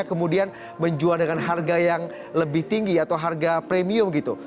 kemudian menjual dengan harga yang lebih tinggi atau harga premium gitu